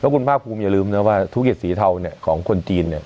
คุณภาคภูมิอย่าลืมนะว่าธุรกิจสีเทาของคนจีน